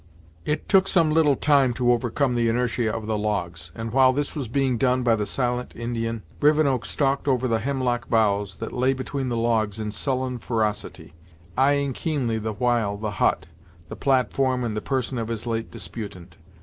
It took some little time to overcome the inertia of the logs, and while this was being done by the silent Indian, Rivenoak stalked over the hemlock boughs that lay between the logs in sullen ferocity, eyeing keenly the while the hut, the platform and the person of his late disputant.